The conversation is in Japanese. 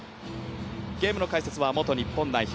ゲームの解説は元日本代表